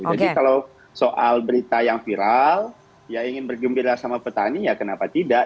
jadi kalau soal berita yang viral ya ingin bergembira sama petani ya kenapa tidak